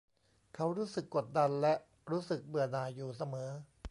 เขารู้สึกกดดันและรู้สึกเบื่อหน่ายอยู่เสมอ